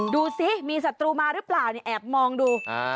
ดูสิมีศัตรูมาหรือเปล่าเนี่ยแอบมองดู